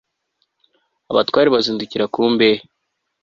abatware bazindukira ku mbehe